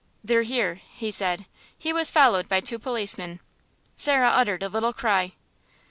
"They're here," he said. He was followed by two policemen. Sarah uttered a little cry.